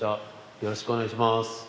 よろしくお願いします